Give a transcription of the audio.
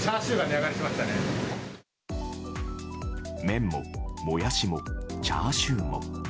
麺もモヤシもチャーシューも。